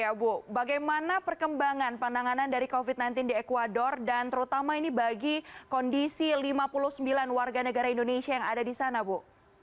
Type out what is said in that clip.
ya bu bagaimana perkembangan penanganan dari covid sembilan belas di ecuador dan terutama ini bagi kondisi lima puluh sembilan warga negara indonesia yang ada di sana bu